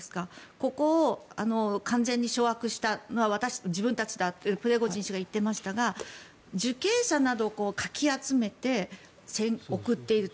ここを完全に掌握したのは自分たちだとプリゴジン氏が言っていましたが受刑者などをかき集めて送っていると。